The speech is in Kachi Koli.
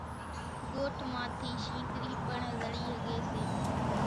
ڳوٺ مان ٿِي شينۮرِي پڻ زڙِي ۿڳيَ سي۔